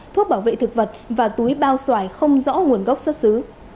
thuốc bảo vệ thực vật và túi bao xoài không rõ nguồn gốc xuất xứ